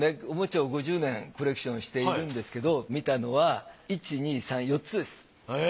おもちゃを５０年コレクションしているんですけど見たのは１２３４つです。